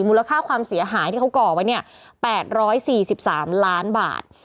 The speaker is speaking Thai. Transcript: มูลค่าความเสียหายที่เขาก่อไว้เนี่ย๘๔๓ล้านบาท